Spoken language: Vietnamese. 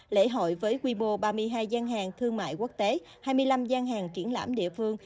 lễ hội với quy bồ ba mươi hai gian hàng thương mại quốc tế hai mươi năm gian hàng triển lãm địa phương